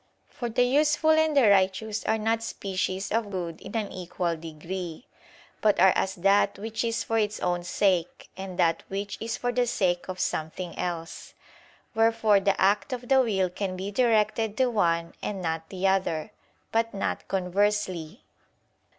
For the useful and the righteous are not species of good in an equal degree, but are as that which is for its own sake and that which is for the sake of something else: wherefore the act of the will can be directed to one and not to the other; but not conversely.